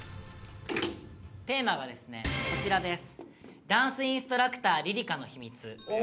テーマがですねこちらです。